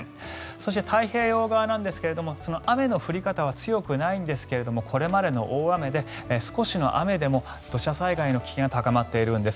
そして太平洋側なんですが雨の降り方は強くないんですがこれまでの大雨で少しの雨でも土砂災害の危険が高まっているんです。